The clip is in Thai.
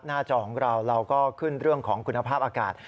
จอของเราเราก็ขึ้นเรื่องของคุณภาพอากาศ